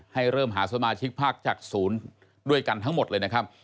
ให้เริ่มหาสมาชิกพักจากศูนย์ด้วยกันทั้งหมดเลยนะครับ